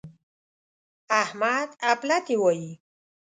احمد اپلاتي وايي.